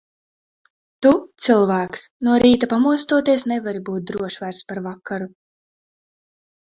Tu, cilvēks, no rīta pamostoties, nevari būt drošs vairs par vakaru.